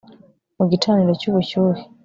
mu gicaniro cy'ubushyuhe